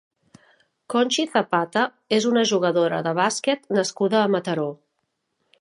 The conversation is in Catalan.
Conchi Zapata és una jugadora de bàsquet nascuda a Mataró.